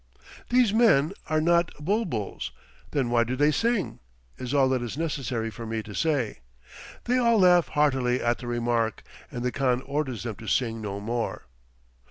"These men are not bul buls; then why do they sing?" is all that is necessary for me to say. They all laugh heartily at the remark, and the khan orders them to sing no more.